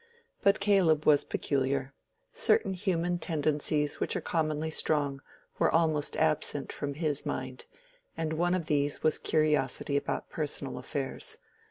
But Caleb was peculiar: certain human tendencies which are commonly strong were almost absent from his mind; and one of these was curiosity about personal affairs.